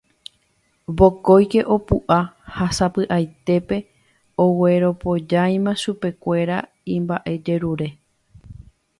Vokóike opu'ã ha sapy'aitépe ogueropojáima chupekuéra imba'ejerure